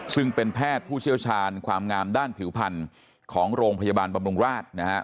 ซึ่งเป็นแพทย์ผู้เชี่ยวชาญความงามด้านผิวพันธุ์ของโรงพยาบาลบำรุงราช